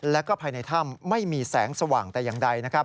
และภายในถ้ำไม่มีแสงสว่างแต่อย่างใด